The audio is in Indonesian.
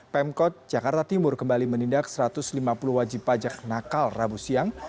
pemkot jakarta timur kembali menindak satu ratus lima puluh wajib pajak nakal rabu siang